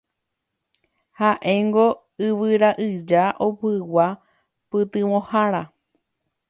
Haʼéngo yvyraʼija opygua pytyvõhára.